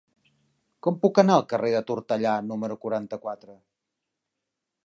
Com puc anar al carrer de Tortellà número quaranta-quatre?